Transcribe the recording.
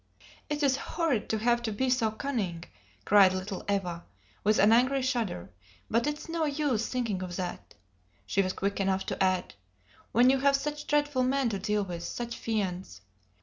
"It is horrid to have to be so cunning!" cried little Eva, with an angry shudder; "but it's no use thinking of that," she was quick enough to add, "when you have such dreadful men to deal with, such fiends!